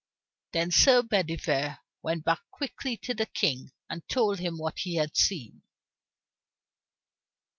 Then Sir Bedivere went back quickly to the King, and told him what he had seen.